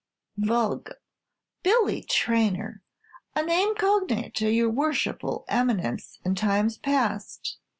vulgo, Billy Traynor, a name cognate to your Worshipful Eminence in times past.'"